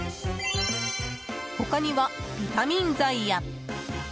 他には、ビタミン剤や。